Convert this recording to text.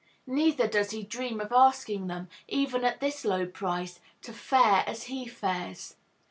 Neither does he dream of asking them, even at this low price, to fare as he fares.